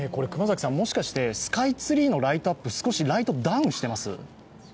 もしかしてスカイツリーのライトアップ少しライトダウンしてます？